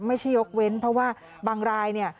ไม่ใช่ยกเว้นเพราะว่าบางรายเนี่ย